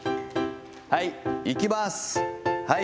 はい、いきます。